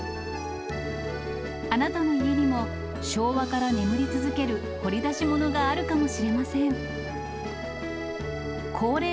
あなたの家にも、昭和から眠り続ける掘り出し物があるかもしれません。